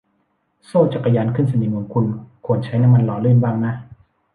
โซ่จักรยานขึ้นสนิมของคุณควรใช้น้ำมันหล่อลื่นบ้างนะ